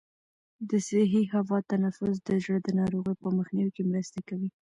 د صحي هوا تنفس د زړه د ناروغیو په مخنیوي کې مرسته کوي.